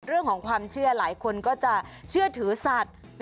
เรื่องของความเชื่อหลายคนก็จะเชื่อถือสัตว์